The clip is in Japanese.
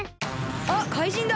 あっかいじんだ。